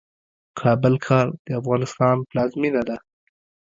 کابل ښار د افغانستان پلازمېنه ده